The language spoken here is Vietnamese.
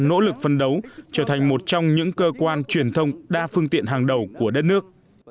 nỗ lực phân đấu trở thành một trong những cơ quan truyền thông đa phương tiện hàng đầu của đất nước